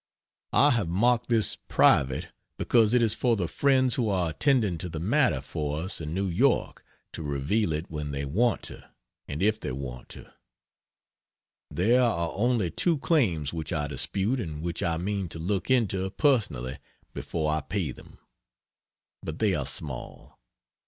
I have marked this "private" because it is for the friends who are attending to the matter for us in New York to reveal it when they want to and if they want to. There are only two claims which I dispute and which I mean to look into personally before I pay them. But they are small.